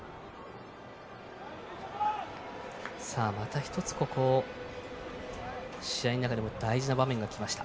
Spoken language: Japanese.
また、一つ、ここ試合の中でも大事な場面がきました。